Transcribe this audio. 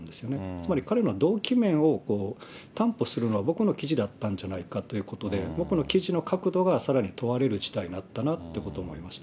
つまり彼の動機面を担保するのは僕の記事だったんじゃないかということで、僕の記事の確度がさらに問われる事態になったなと思いました。